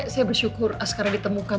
saya bersyukur askara ditemukan